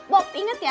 bob inget ya